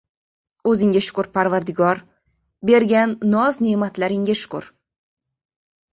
— O‘zingga shukr, Parvardigor, bergan noz-ne’matlaringga shukr